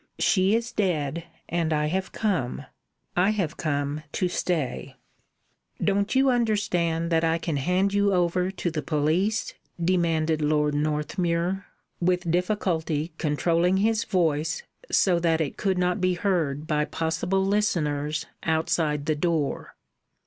She is dead, and I have come. I have come to stay." "Don't you understand that I can hand you over to the police?" demanded Lord Northmuir, with difficulty controlling his voice so that it could not be heard by possible listeners outside the door.